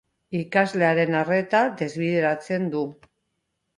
Ikaslearen arreta desbideratzen du.